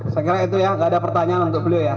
sekarang itu ya gak ada pertanyaan untuk beliau ya